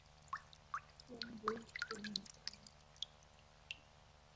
Twende kwenye tamasha